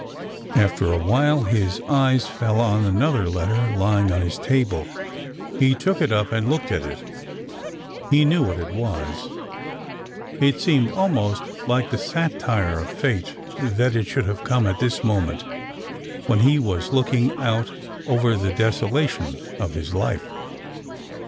After a while his eyes fell on another letter lying on his table. He took it up and looked at it. He knew what it was. It seemed almost like the satire of fate that it should have come at this moment when he was looking out over the desolation of his life.